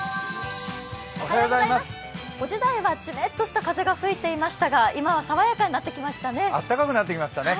５時台はジメッとした風が吹いていましたが今は爽やかになってきましたね。